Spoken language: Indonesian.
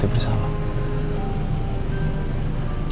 kamu harus jadi orang yang tegas